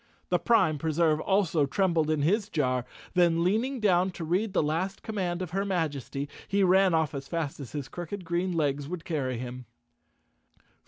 The Prime Preserve also trembled in his jar, then leaning down to read the last command of her Majesty, he ran off as fast as his crooked green legs would carry him.